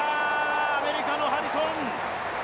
アメリカのハリソン。